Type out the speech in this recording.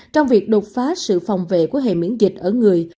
trong việc đột phá sự phòng vệ của hệ miễn dịch ở người